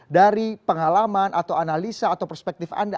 dari pengalaman atau analisa atau perspektif anda